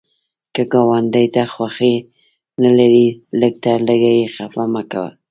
که ګاونډي ته خوښي نه لرې، لږ تر لږه یې خفه مه کوه